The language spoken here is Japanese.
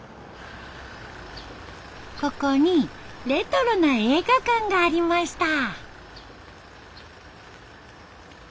ここにレトロな映画館がありました。